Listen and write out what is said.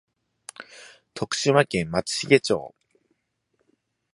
徳島県松茂町